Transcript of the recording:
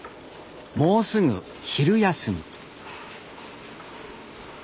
もうすぐ昼休み。